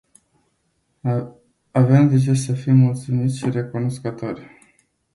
Avem de ce să fim mulțumiți și recunoscători.